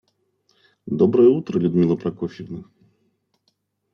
Доброе утро, Людмила Прокофьевна.